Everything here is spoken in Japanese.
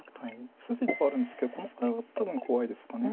筋ではあるんですけどこの場合は多分怖いですか。